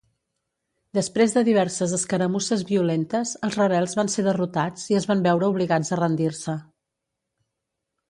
Després de diverses escaramusses violentes, els rebels van ser derrotats i es van veure obligats a rendir-se.